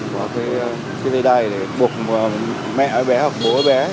có cái dây đai để bục mẹ bé hoặc bố bé